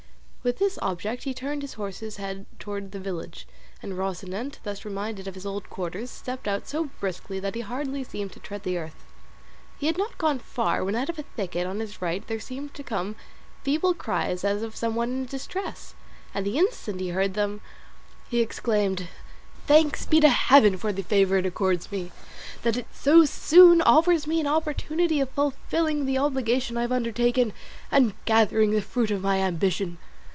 With this object he turned his horse's head towards his village, and Rocinante, thus reminded of his old quarters, stepped out so briskly that he hardly seemed to tread the earth. He had not gone far, when out of a thicket on his right there seemed to come feeble cries as of some one in distress, and the instant he heard them he exclaimed, "Thanks be to heaven for the favour it accords me, that it so soon offers me an opportunity of fulfilling the obligation I have undertaken, and gathering the fruit of my ambition.